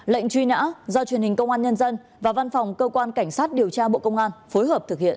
lệnh truy nã do truyền hình công an nhân dân và văn phòng cơ quan cảnh sát điều tra bộ công an phối hợp thực hiện